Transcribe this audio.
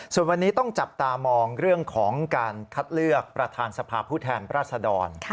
ส่วนวันนี้ต้องจับตามองเรื่องของการคัดเลือกประธานสภาพผู้แทนราชดร